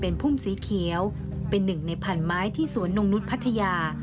เป็นพุ่มสีเขียวเป็นหนึ่งในพันไม้ที่สวนนงนุษย์พัทยา